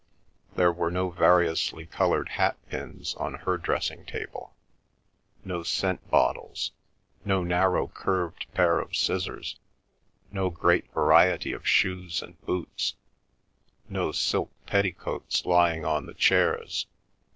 There were no variously coloured hatpins on her dressing table; no scent bottles; no narrow curved pairs of scissors; no great variety of shoes and boots; no silk petticoats lying on the chairs.